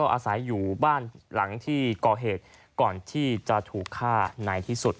อาศัยอยู่บ้านหลังที่ก่อเหตุก่อนที่จะถูกฆ่าในที่สุด